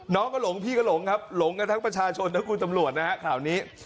น้องก็หลงพี่ก็หลงครับหลงระทั้งมาชาชนและคุณตำรวจนะครับ